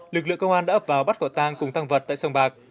lực lượng công an đã ập vào bắt quả tang cùng tăng vật tại sông bạc